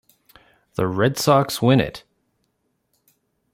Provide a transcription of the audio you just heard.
The Red Sox win it!